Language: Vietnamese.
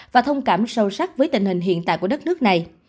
và thông cảm sâu sắc với tình hình hiện tại của đất nước này